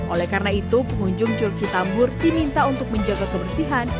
oleh karena itu pengunjung curug citambur diminta untuk menjaga kebersihan